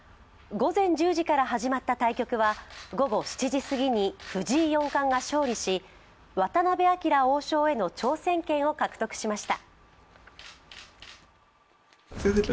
午前１０時から始まった対局は、午後７時すぎに藤井四冠が勝利し、渡辺明王将への挑戦権を獲得しました。